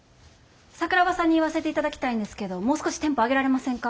桜庭さんに言わせていただきたいんですけどもう少しテンポ上げられませんか？